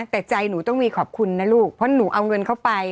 แต่ใจหนูต้องมีขอบคุณนะลูกเพราะหนูเอาเงินเข้าไป